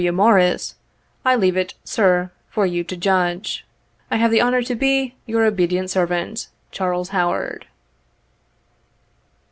W. Morris, I leave it, sir, for you to judge. " I have the honor to be " Your obedient servant, "CHARLES HOWAED.